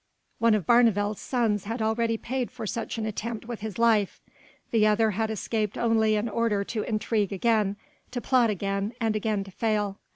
One of Barneveld's sons had already paid for such an attempt with his life; the other had escaped only in order to intrigue again, to plot again, and again to fail.